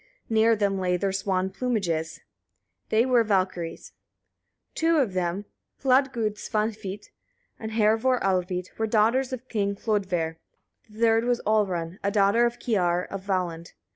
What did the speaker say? Near them lay their swan plumages: they were Valkyriur. Two of them, Hladgud Svanhvit and Hervor Alvit, were daughters of King Hlodver; the third was Olrun, a daughter of Kiar of Valland.